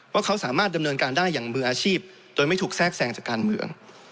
ว่าเขาสามารถดำเนินการได้อย่างมืออาชีพโดยไม่ถูกแทรกแทรงจากการเมือง